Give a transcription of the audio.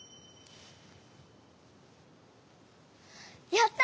やった！